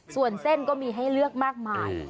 ส่วนเส้นก็มีให้เลือกมากมาย